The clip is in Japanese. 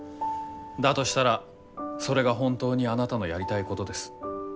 だとしたらそれが本当にあなたのやりたいことです。